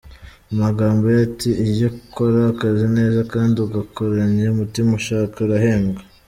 Mu magambo ye ati: "Iyo ukora akazi neza kandi ugakoranye Umutima ushaka, urahembwa.